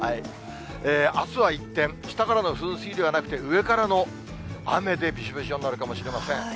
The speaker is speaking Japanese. あすは一転、下からの噴水ではなくて、上からの雨でびしょびしょになるかもしれません。